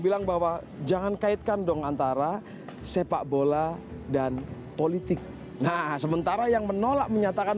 bilang bahwa jangan kaitkan dong antara sepak bola dan politik nah sementara yang menolak menyatakan